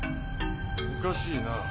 おかしいな。